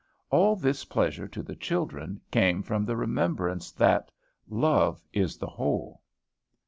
All this pleasure to the children came from the remembrance that "Love is the whole."